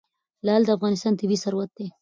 لعل د افغانستان طبعي ثروت دی.